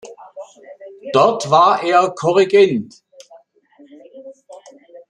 Dort war er Chorregent.